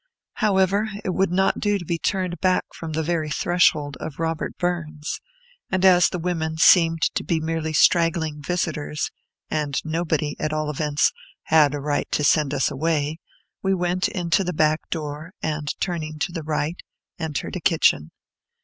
However, it would not do to be turned back from the very threshold of Robert Burns; and as the women seemed to be merely straggling visitors, and nobody, at all events, had a right to send us away, we went into the back door, and, turning to the right, entered a kitchen.